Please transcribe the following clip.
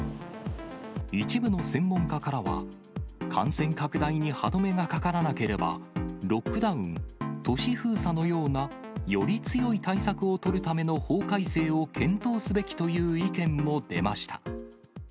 一部の専門家からは、感染拡大に歯止めがかからなければ、ロックダウン・都市封鎖のようなより強い対策を取るための法改正を検討すべきという意見も出ました。